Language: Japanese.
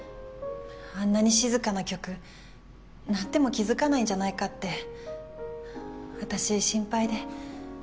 あんなに静かな曲鳴っても気付かないんじゃないかって私心配で。